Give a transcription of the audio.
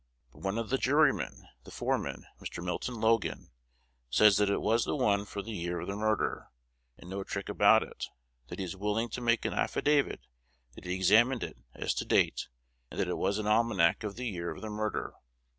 But one of the jurymen, the foreman, Mr. Milton Logan, says that it was the one for the year of the murder, and no trick about it; that he is willing to make an affidavit that he examined it as to date, and that it was an almanac of the year of the murder.